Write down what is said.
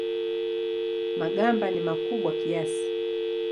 Magamba ni makubwa kiasi.